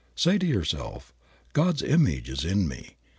Say to yourself, "God's image is in me.